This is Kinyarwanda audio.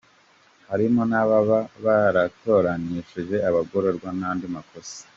Harimo n’ababa baratorokesheje abagororwa n’andi makosa.